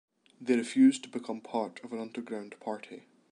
They refused to become part of an underground party.